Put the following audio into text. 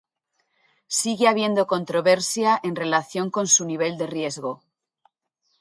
Sigue habiendo controversia en relación con su nivel de riesgo.